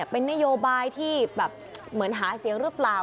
เป็นนโยบายที่แบบเหมือนหาเสียงหรือเปล่า